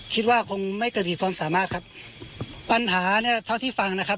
คิดว่าคงไม่เกิดเหตุความสามารถครับปัญหาเนี้ยเท่าที่ฟังนะครับ